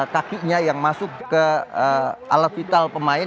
kakinya yang masuk ke alat vital pemain